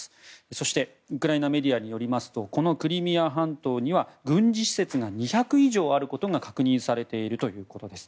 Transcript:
そしてウクライナメディアによりますとこのクリミア半島には軍事施設が２００以上あることが確認されているということです。